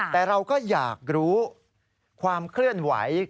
แต่เราก็อยากรู้ความเคลื่อนไหว